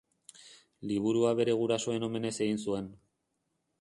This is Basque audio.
Liburua bere gurasoen omenez egin zuen.